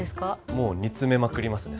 もう煮詰めまくりますね